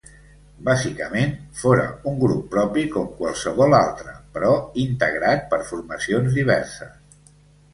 Bàsicament, fóra un grup propi com qualsevol altre, però integrat per formacions diverses.